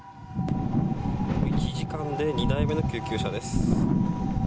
１時間で２台目の救急車です。